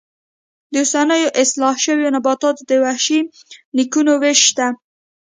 د اوسنیو اصلاح شویو نباتاتو د وحشي نیکونو وېش شته.